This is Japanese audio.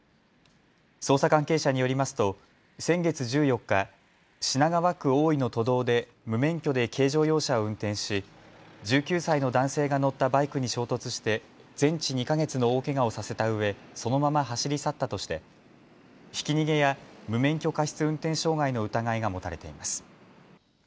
捜査関係者によりますと先月１４日、品川区大井の都道で無免許で軽乗用車を運転し１９歳の男性が乗ったバイクに衝突して全治２か月の大けがをさせたうえそのまま走り去ったとしてひき逃げや無免許過失運転傷害の疑いが持たれています。